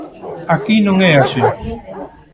Aquí non é así.